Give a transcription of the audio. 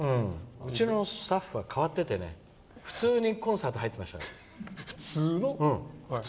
うちのスタッフは変わってて普通のコンサート入っていました。